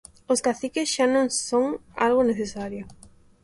Os caciques xa non son algo necesario.